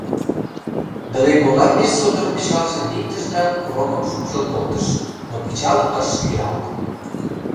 Глегола пеш содор пычалжым виктыш да курокым шупшыл колтыш, но пычал ыш лӱялт.